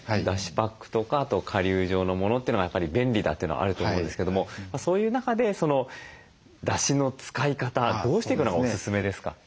パックとかあと顆粒状のものというのがやっぱり便利だというのがあると思うんですけどもそういう中でだしの使い方どうしていくのがおすすめですか？